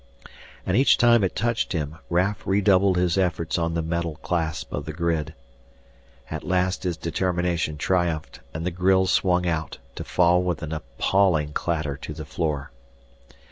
And each time it touched him Raf redoubled his efforts on the metal clasps of the grid. At last his determination triumphed, and the grille swung out, to fall with an appalling clatter to the floor.